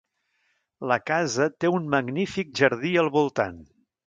La casa té un magnífic jardí al voltant.